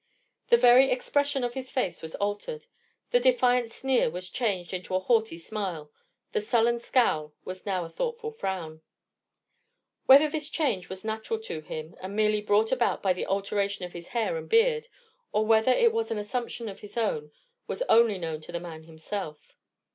The very expression of his face was altered. The defiant sneer was changed into a haughty smile; the sullen scowl was now a thoughtful frown. Whether this change was natural to him, and merely brought about by the alteration in his hair and beard, or whether it was an assumption of his own, was only known to the man himself.